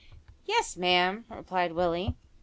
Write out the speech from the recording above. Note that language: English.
"Yes, ma'am," replied Willie.